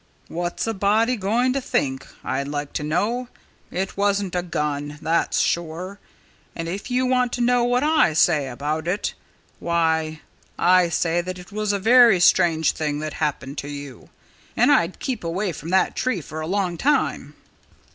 What's a body a going to think, I'd like to know? It wasn't a gun that's sure. And if you want to know what I say about it, why I say that it was a very strange thing that happened to you. And I'd keep away from that tree for a long time."